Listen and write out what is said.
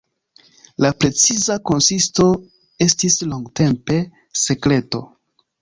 La preciza konsisto estis longtempe sekreto.